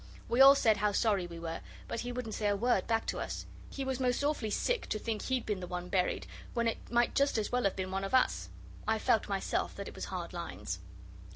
We all said how sorry we were, but he wouldn't say a word back to us. He was most awfully sick to think he'd been the one buried, when it might just as well have been one of us. I felt myself that it was hard lines.